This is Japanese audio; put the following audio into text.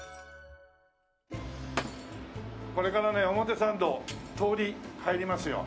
これからね表参道通り入りますよ。